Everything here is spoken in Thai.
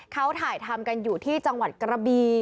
เขาถ่ายทำกันอยู่ที่จังหวัดกระบี